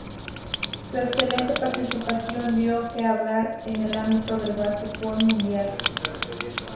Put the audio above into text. Su excelente participación dio que hablar en el ámbito del basquetbol mundial.